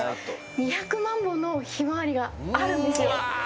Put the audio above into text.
２００万本のヒマワリがあるんですよ。